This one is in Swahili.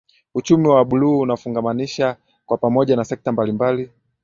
Uchumi wa buluu unafungamanisha kwa pamoja na sekta mbalimbali